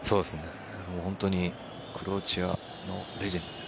本当にクロアチアのレジェンドで。